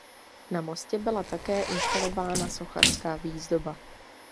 Na mostě byla také instalována sochařská výzdoba.